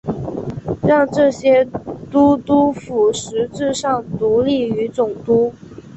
让这些都督府实质上独立于总督。